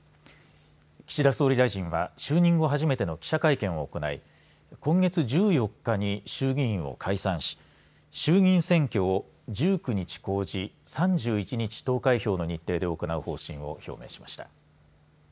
岸田総理大臣は、就任後初めての記者会見を行い今月１４日に衆議院を解散し衆議院選挙を１９日公示３１日投開票の日程で行う方針を表明しました。